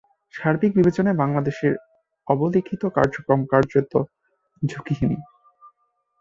সার্বিক বিবেচনায় বাংলাদেশের অবলিখন কার্যক্রম কার্যত ঝুঁকিহীন।